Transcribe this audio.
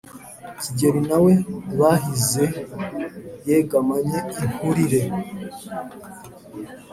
kigeri na we bahize yegamanye inturire